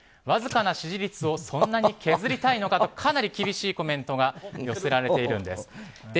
わずかな支持率をそんなに削りたいのかとかなり厳しいコメントが寄せられているんです。